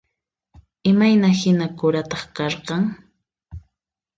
Imayna hina karutaq karqan?